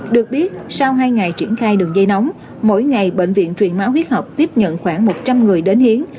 được biết sau hai ngày triển khai đường dây nóng mỗi ngày bệnh viện truyền máu huyết học tiếp nhận khoảng một trăm linh người đến hiến